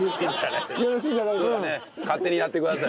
勝手にやってください。